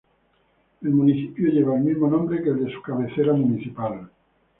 El municipio lleva el mismo nombre que el de su cabecera municipal.